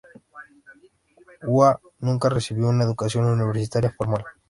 Hua nunca recibió una educación universitaria formal.